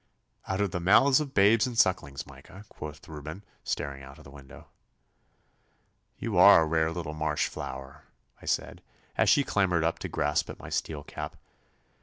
'Out of the mouths of babes and sucklings, Micah,' quoth Reuben, staring out of the window. 'You are a rare little marsh flower,' I said, as she clambered up to grasp at my steel cap.